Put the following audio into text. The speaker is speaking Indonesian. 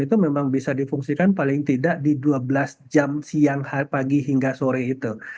itu memang bisa difungsikan paling tidak di dua belas jam siang pagi hingga sore itu